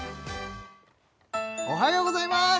おはようございまーす！